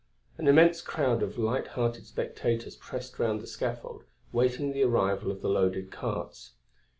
An immense crowd of light hearted spectators pressed round the scaffold, waiting the arrival of the loaded carts.